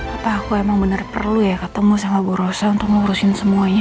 apa aku emang bener perlu ya ketemu sama borosa untuk ngurusin semuanya